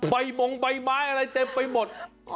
มงใบไม้อะไรเต็มไปหมด